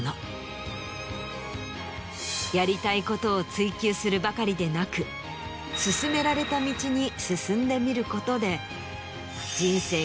やりたいことを追求するばかりでなく勧められた道に進んでみることで。